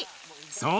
そう！